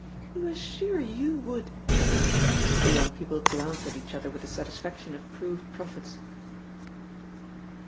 "We were sure you would!" The young people glanced at each other with the satisfaction of proved prophets.